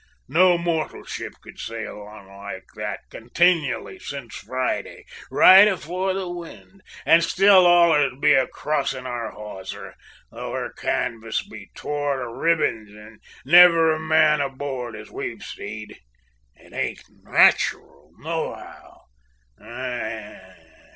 No mortal ship could sail on like that continually since Friday, right afore the wind, and still allers be a crossin' our hawser, though her canvas be tore to ribbings and never a man aboard, as we've seed. It ain't nat'ral, nohow.